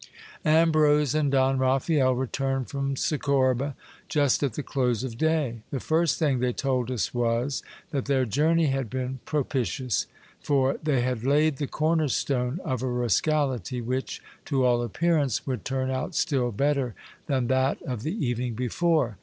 Ambrose and Don Raphael returned from Segorba just at the close of day. The first thing they told us was, that their journey had been propitious ; for they had laid the corner stone of a rascality which, to all appearance, would turn out still better than that of the evening before.